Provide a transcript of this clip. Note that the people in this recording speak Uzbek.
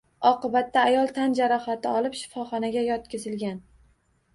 Oqibatda ayol tan jarohati olib, shifoxonaga yotqizilgan